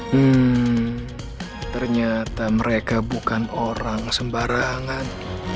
hmm ternyata mereka bukan orang sembarangan